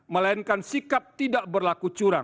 melainkan sikap tidak berlaku curang